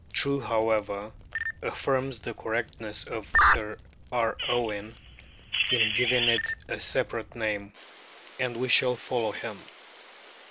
True, however, affirms the correctness of Sir R. Owen in giving it a separate name. And we shall follow him.